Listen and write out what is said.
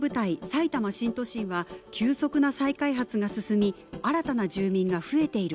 さいたま新都心は急速な再開発が進み新たな住民が増えている地域。